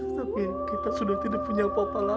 tapi kita sudah tidak punya apa apa lagi